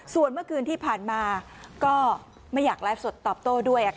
ส่วนเมื่อคืนที่ผ่านมาก็ไม่อยากไลฟ์สดตอบโต้ด้วย